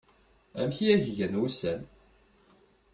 Amek i ak-gan wussan.